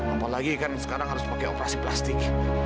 apalagi kan sekarang harus pakai operasi plastik